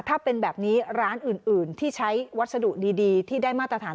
ถ้าเป็นแบบนี้ร้านอื่นที่ใช้วัสดุดีที่ได้มาตรฐาน